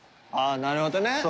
ああなるほどね。